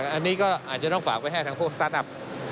อันนี้ก็อาจจะต้องฝากไปให้ทางพวกสตาร์ทอัพ